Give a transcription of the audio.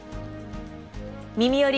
「みみより！